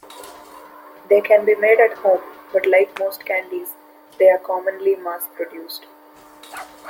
They can be made at home, but like most candies, they are commonly mass-produced.